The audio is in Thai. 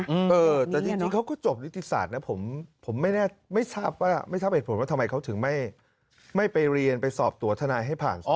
เออแต่จริงเขาก็จบนิติศาสตร์นะผมผมไม่แน่ไม่ทราบว่าไม่ทราบเหตุผลว่าทำไมเขาถึงไม่ไปเรียนไปสอบตัวทนายให้ผ่าน